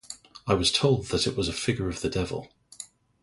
I was told that it was a figure of the devil.